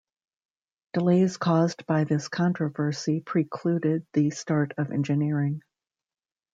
Delays caused by this controversy precluded the start of engineering.